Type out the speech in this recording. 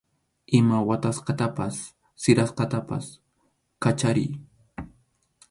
Ima watasqatapas sirasqatapas kachariy.